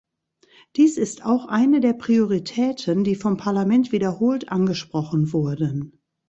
Dies ist auch eine der Prioritäten, die vom Parlament wiederholt angesprochen wurden.